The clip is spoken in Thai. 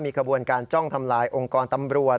ขบวนการจ้องทำลายองค์กรตำรวจ